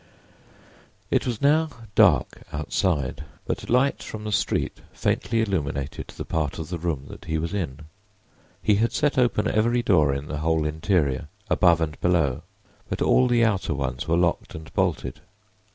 It was now dark outside, but light from the street faintly illuminated the part of the room that he was in. He had set open every door in the whole interior, above and below, but all the outer ones were locked and bolted.